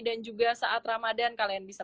dan juga saat ramadhan kalian bisa